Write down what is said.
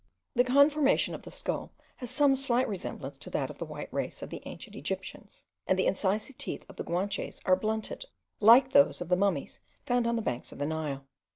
The conformation of the skull has some slight resemblance to that of the white race of the ancient Egyptians; and the incisive teeth of the Guanches are blunted, like those of the mummies found on the banks of the Nile.